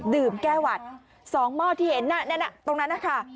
ดื่มแก้วัดสองหม้อที่เห็นตรงนั้นนะคะ